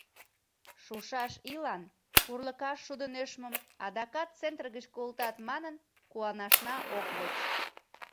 Шушаш ийлан урлыкаш шудо нӧшмым адакат центр гыч колтат манын куанашна ок воч.